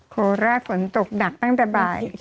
โคราชฝนตกหนักตั้งแต่บ่าย